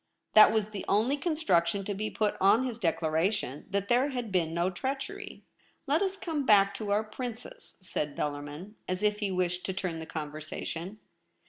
That was the only construction to be VOL. T. 2 J> i8 THE REBEL ROSE. put on his declaration that there had been no treachery. * Let us come back to our Princess,' said Bellarmin, as if he wished to turn the con versation.